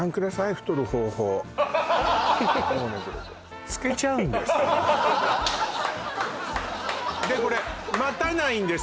太る方法漬けちゃうんですでこれ待たないんです